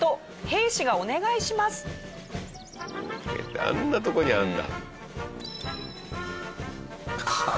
あんなとこにあるんだ。